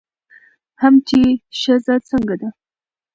هم چې ښځه څنګه ده